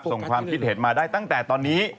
ความคิดเห็นมาได้ตั้งแต่ตอนนี้